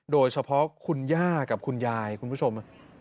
โดยเฉพาะคุณย่ากับคุณยายคุณผู้ชม